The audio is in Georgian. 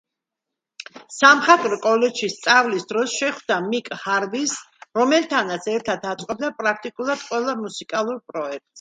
სამხატვრო კოლეჯში სწავლის დროს შეხვდა მიკ ჰარვის, რომელთანაც ერთად აწყობდა პრაქტიკულად ყველა მუსიკალურ პროექტს.